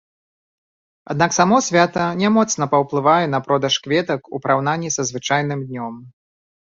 Аднак само свята не моцна паўплывае на продаж кветак у параўнанні са звычайным днём.